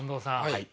はい。